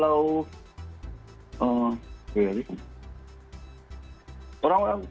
feat kayaknya seneng weights